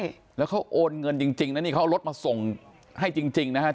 เมื่อกี๊เขาโอนเงินจริงแล้วเขารถมาส่งให้จริงนะฮะ